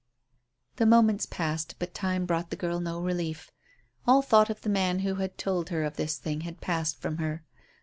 The moments passed, but time brought the girl no relief. All thought of the man who had told her of this thing had passed from her.